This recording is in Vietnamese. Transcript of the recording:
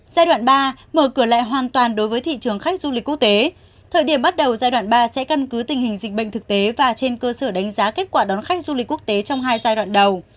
giai đoạn ba mở cửa lại hoàn toàn đối với thị trường khách du lịch quốc tế thời điểm bắt đầu giai đoạn ba sẽ căn cứ tình hình dịch bệnh thực tế và trên cơ sở đánh giá kết quả đón khách du lịch quốc tế trong hai giai đoạn đầu